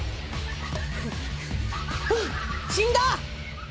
死んだ！